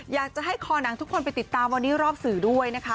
อยากจะให้คอหนังทุกคนไปติดตามวันนี้รอบสื่อด้วยนะคะ